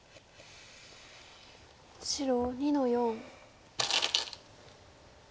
白２の四。